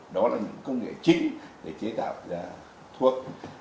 đó là những công nghệ chính để chế tạo ra thuốc